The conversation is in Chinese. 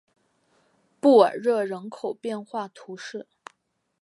布尔热人口变化图示